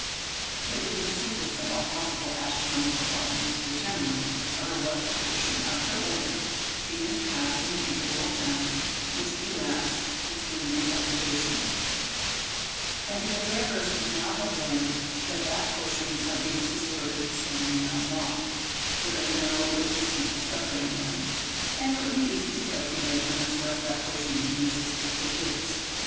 It would be the simplest of all possible astronomical problems to determine over what proportion of her orbit Venus passed in the interval of time which elapsed between these observations; and the observers would now have learned that that portion of Venus's orbit is so many miles long, for they know what distance separated them, and it would be easy to calculate how much less that portion of Venus's orbit is.